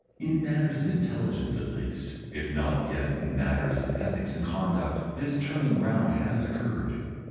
In matters of intelligence, at least, if not yet in matters of ethics and conduct, this turning round has occurred.